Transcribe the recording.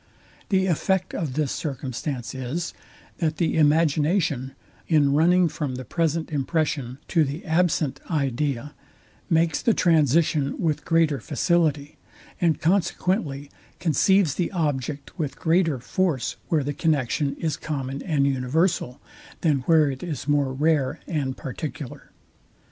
The effect of this circumstance is, that the imagination, in running from the present impression to the absent idea, makes the transition with greater facility, and consequently conceives the object with greater force, where the connexion is common and universal, than where it is more rare and particular.